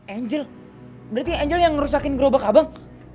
angel berarti angel yang ngerusakin gerobak abang